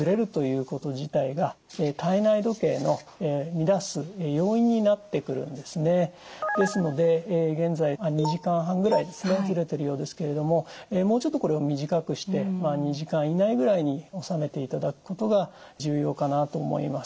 ただですので現在２時間半ぐらいずれてるようですけれどももうちょっとこれを短くして２時間以内ぐらいに収めていただくことが重要かなと思います。